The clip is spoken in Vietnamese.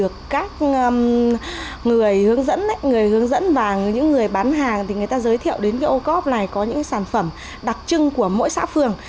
các người hướng dẫn và những người bán hàng thì người ta giới thiệu đến cái ô cóp này có những sản phẩm đặc trưng của mỗi xã phường